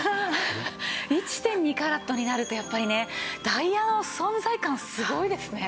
１．２カラットになるとやっぱりねダイヤの存在感すごいですね。